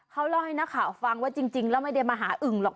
เขาเล่าให้นักข่าวฟังว่าจริงแล้วไม่ได้มาหาอึ่งหรอก